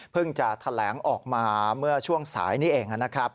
จะแถลงออกมาเมื่อช่วงสายนี้เองนะครับ